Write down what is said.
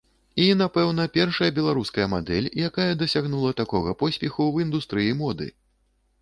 І, напэўна, першая беларуская мадэль, якая дасягнула такога поспеху ў індустрыі моды.